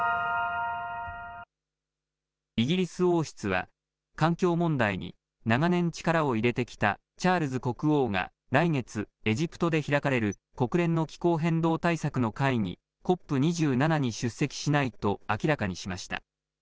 イギリス王室は、環境問題に長年力を入れてきたチャールズ国王が来月、エジプトで開かれる国連の気候変動対策の会議、ＣＯＰ２７に出席しないと明らかにしました。